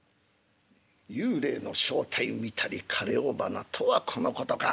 『幽霊の正体見たり枯れ尾花』とはこのことか。